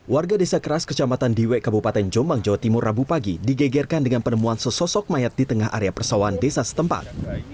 warga desa keras kecamatan diwe kabupaten jombang jawa timur rabu pagi digegerkan dengan penemuan sesosok mayat di tengah area persawahan desa setempat